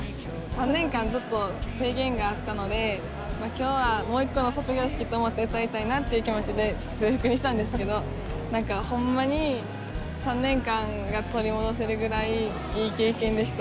３年間ずっと制限があったのでもう今日はもう一個の卒業式と思って歌いたいなという気持ちで制服にしたんですけど何かホンマに３年間が取り戻せるぐらいいい経験でした。